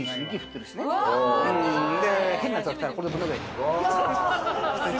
変なやつが来たら、これでぶん殴ればいい。